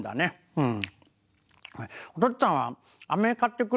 うん。